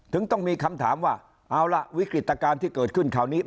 ต้องมีคำถามว่าเอาล่ะวิกฤตการณ์ที่เกิดขึ้นคราวนี้